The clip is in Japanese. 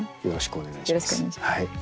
よろしくお願いします。